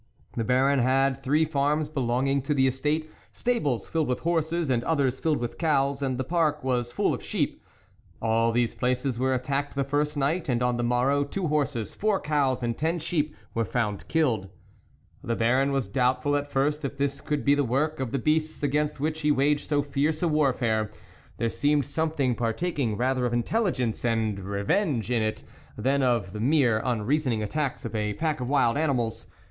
The Baron had three farms belonging to the estate, stables filled with horses, and others filled with cows, and the park was full of sheep. All these places were at tacked the first night, and on the morrow two horses, four cows, and ten sheep were found killed. The Baron was doubtful at first if this could be the work of the beasts against which he waged so fierce a warfare ; there seemed something partaking rather of in telligence and revenge in it than of the mere unreasoning attacks of a pack of wild animals.